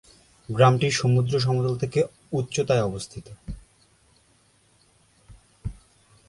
গ্রামটি সমুদ্র সমতল থেকে উচ্চতায় অবস্থিত।